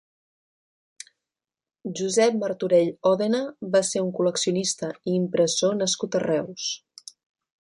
Josep Martorell Òdena va ser un col·leccionista i impressor nascut a Reus.